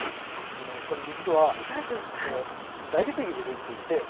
これ実は大理石でできていて。